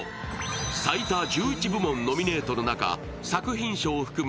最多１１部門ノミネートの中作品賞を含む